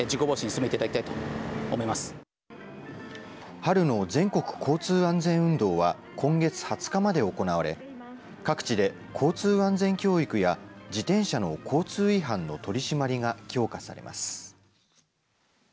春の全国交通安全運動は今月２０日まで行われ、各地で交通安全教育や自転車の交通違反の取締りが強化されます。